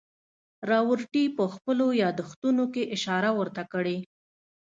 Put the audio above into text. راورټي په خپلو یادښتونو کې اشاره ورته کړې.